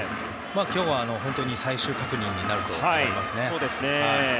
今日は最終確認になると思います。